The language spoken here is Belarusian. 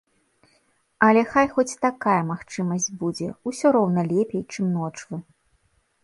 Але хай хоць такая магчымасць будзе, усё роўна лепей, чым ночвы.